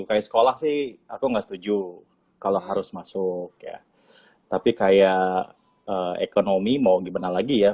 kayak sekolah sih aku nggak setuju kalau harus masuk ya tapi kayak ekonomi mau gimana lagi ya